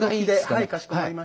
はいかしこまりました。